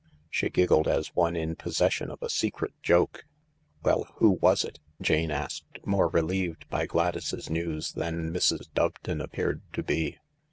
She giggled as one in possession of a secret joke. " Well, who was it ?" Jane asked, more relieved by Gladys's news than Mrs. Doveton appeared to be.